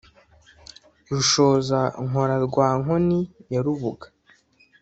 rushoza-nkora rwa nkoni ya rubuga